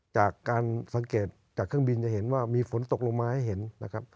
จากการสังเกตจากเครื่องบินจะเห็นว่ามีฝนตกลงมาให้เห็นนะครับ